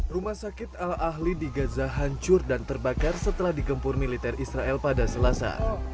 rumah sakit al ahli di gaza hancur dan terbakar setelah digempur militer israel pada selasa